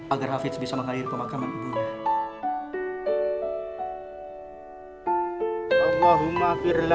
agar hafiz bisa mengakhiri pemakaman ibunya